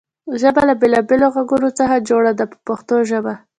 ژبه له بېلابېلو غږونو څخه جوړه ده په پښتو ژبه.